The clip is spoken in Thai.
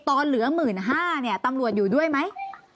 ตอนเหลือหมื่นห้าเนี่ยตำรวจอยู่ด้วยไหม